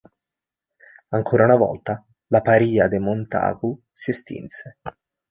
Ancora una volta la parìa dei Montagu si estinse.